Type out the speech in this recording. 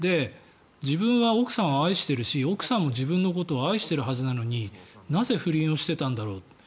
自分は奥さんを愛してるし奥さんも自分のことを愛してるはずなのになぜ不倫をしていたんだろう。